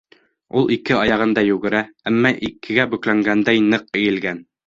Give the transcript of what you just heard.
Ул ике аяғында йүгерә, әммә икегә бөкләнгәндәй ныҡ эйелгән.